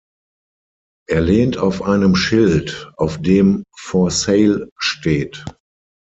Er lehnt auf einem Schild, auf dem „For Sale“ steht.